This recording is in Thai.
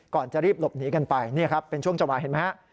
ก่อนจะรีบหลบหนีกันไปนี่ครับเป็นช่วงจังหวะเห็นไหมฮะ